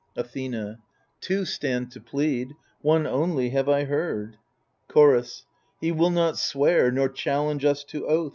Athena Two stand to plead — one only have I heard. Chorus He will not swear nor challenge us to oath.